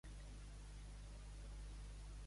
El convenceren del seu tort.